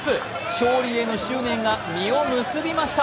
勝利への執念が実を結びました。